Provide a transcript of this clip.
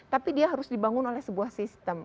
tapi dia harus dibangun oleh sebuah sistem